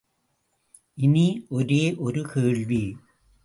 இனி ஒரே ஒரு கேள்வி.